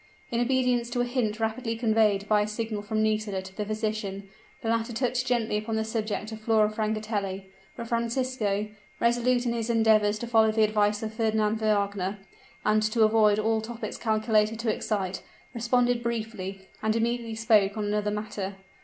In obedience to a hint rapidly conveyed by a signal from Nisida to the physician, the latter touched gently upon the subject of Flora Francatelli; but Francisco, resolute in his endeavors to follow the advice of Fernand Wagner, and to avoid all topics calculated to excite, responded briefly, and immediately spoke on another matter.